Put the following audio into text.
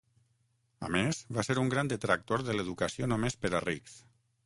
A més, va ser un gran detractor de l'educació només per a rics.